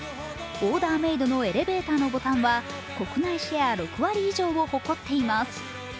オーダーメードのエレベーターのボタンは国内シェア６割以上を誇っています